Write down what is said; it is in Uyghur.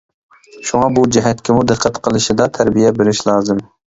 شۇڭا بۇ جەھەتكىمۇ دىققەت قىلىشىدا تەربىيە بېرىشى لازىم.